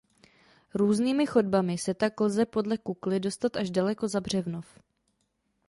Různými chodbami se tak lze podle Kukly dostat až daleko za Břevnov.